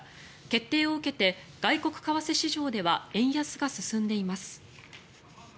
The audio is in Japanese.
決定を受けて外国為替市場では円安が進んでいます。